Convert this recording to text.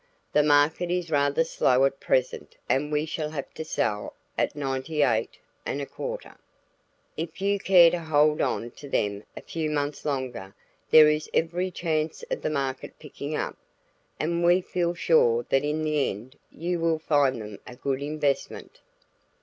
The market is rather slow at present and we shall have to sell at 98¼. If you care to hold on to them a few months longer, there is every chance of the market picking up, and we feel sure that in the end you will find them a good investment.